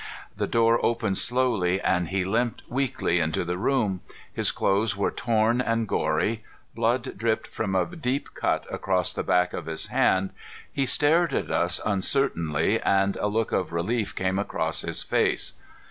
The door opened slowly and he limped weakly into the room. His clothes were torn and gory. Blood dripped from a deep cut across the back of his hand. He stared at us uncertainly, and a look of relief came across his face.